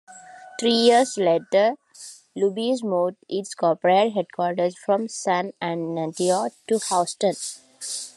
Three years later, Luby's moved its corporate headquarters from San Antonio to Houston.